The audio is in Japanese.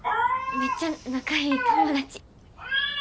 めっちゃ仲良い友達。